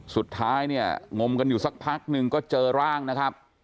สุดท้ายเนี่ยงมกันอยู่สักพักหนึ่งก็เจอร่างนะครับ